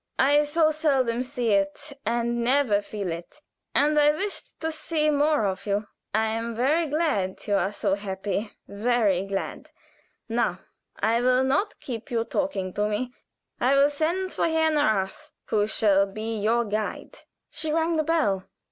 I so seldom see it and never feel it, and I wished to see more of you. I am very glad you are so happy very glad. Now I will not keep you talking to me. I will send for Herr Nahrath, who shall be your guide." She rang the bell.